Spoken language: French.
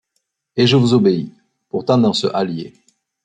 Et je vous obéis. Pourtant dans ce hallier